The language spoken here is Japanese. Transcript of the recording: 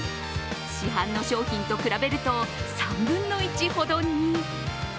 市販の商品と比べると３分の１ほどに。